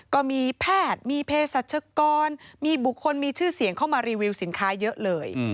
ก็มีแพทย์มีเพศสัชกรมีบุคคลมีชื่อเสียงเข้ามารีวิวสินค้าเยอะเลย